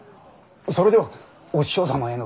それではお師匠様への義理が。